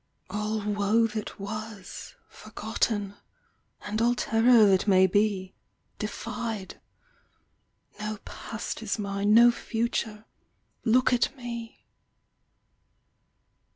All woe that was, Forgotten, and all terror that may be, Defied, no past is mine, no future: look at me!